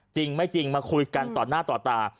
จริงไม่จริงมาคุยกันต่อหน้าต่อตา